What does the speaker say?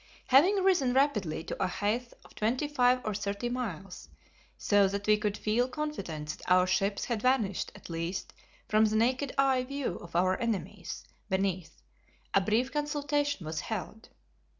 Having risen rapidly to a height of twenty five or thirty miles, so that we could feel confident that our ships had vanished at least from the naked eye view of our enemies beneath, a brief consultation was held.